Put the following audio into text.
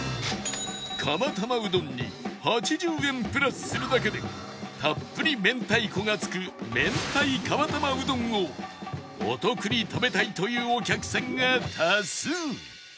釜玉うどんに８０円プラスするだけでたっぷり明太子がつく明太釜玉うどんをお得に食べたいというお客さんが多数